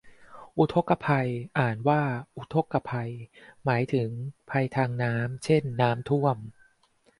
อุทกภัย อ่านว่าอุทกกะไพ หมายถึงภัยทางน้ำ เช่นน้ำท่วม